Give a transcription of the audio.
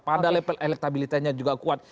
pada level elektabilitasnya juga kuat